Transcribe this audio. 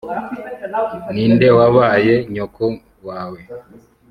ninde wabaye nyoko wawe